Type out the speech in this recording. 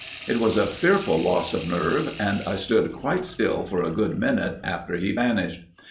It was a fearful loss of nerve, and I stood quite still for a good minute after he vanished.